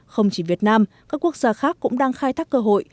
không chỉ việt nam các quốc gia khác cũng đang khai thác cơ hội